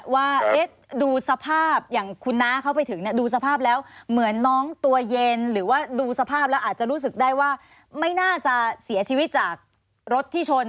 ว่าดูสภาพอย่างคุณน้าเข้าไปถึงดูสภาพแล้วเหมือนน้องตัวเย็นหรือว่าดูสภาพแล้วอาจจะรู้สึกได้ว่าไม่น่าจะเสียชีวิตจากรถที่ชน